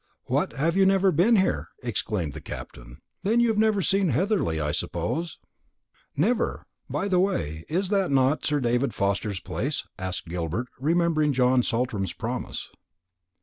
"What, have you never been here?" exclaimed the Captain; "then you have never seen Heatherly, I suppose?" "Never. By the way, is not that Sir David Forster's place?" asked Gilbert, remembering John Saltram's promise.